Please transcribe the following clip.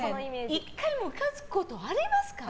１回もムカつくことありますか？